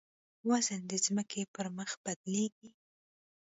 وزن د ځمکې پر مخ بدلېږي.